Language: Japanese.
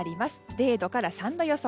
０度から３度予想。